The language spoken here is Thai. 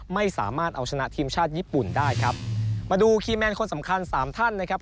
ไม่สามารถเอาชนะทีมชาติญี่ปุ่นได้ครับมาดูคีย์แมนคนสำคัญสามท่านนะครับ